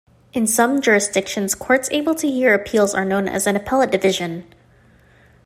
In some jurisdictions, courts able to hear appeals are known as an appellate division.